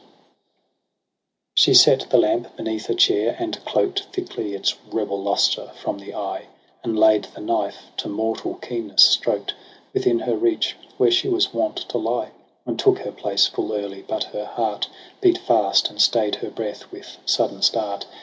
JULY 117 She set the lamp beneath a chair, and cloked Thickly its rebel lustre from the eye : And laid the knife, to mortal keenness stroked. Within her reach, where she was wont to lie : And took her place full early j but her heart Beat fast, and stay'd her breath with sudden start.